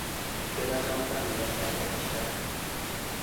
Twebaza Mukama eyajjanjaba kitaffe.